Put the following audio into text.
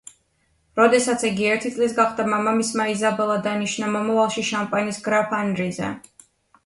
როდესაც იგი ერთი წლის გახდა, მამამისმა იზაბელა დანიშნა მომავალში შამპანის გრაფ ანრიზე.